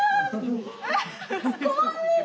こんにちは！